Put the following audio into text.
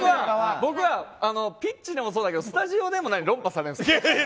僕はピッチでもそうだけどスタジオでも論破されるです。